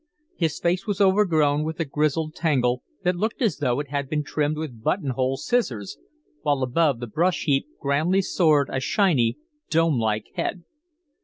His face was overgrown with a grizzled tangle that looked as though it had been trimmed with button hole scissors, while above the brush heap grandly soared a shiny, dome like head.